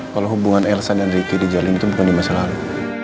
kalau hubungan elsa dan ricky di jalin itu bukan di masa lalu